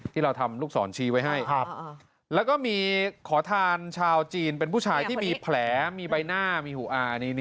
ที่เราทำลูกศรชี้ไว้ให้แล้วก็มีขอทานชาวจีนเป็นผู้ชายที่มีแผลมีใบหน้ามีหูอา